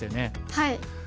はい。